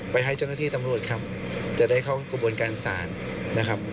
ให้เจ้าหน้าที่ตำรวจครับจะได้เข้ากระบวนการศาลนะครับ